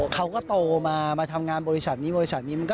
เขาก็โตมามาทำงานบริษัทนี้บริษัทนี้